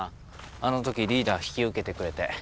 あのときリーダー引き受けてくれて。